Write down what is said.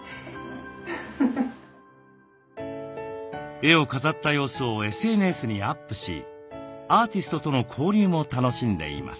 絵を飾った様子をＳＮＳにアップしアーティストとの交流も楽しんでいます。